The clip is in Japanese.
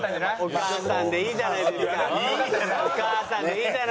お母さんでいいじゃない。